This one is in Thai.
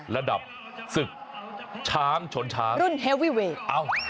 ระดับศึกช้างชนช้างรุ่นเฮวีเวท